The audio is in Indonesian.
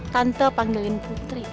tante panggilin putri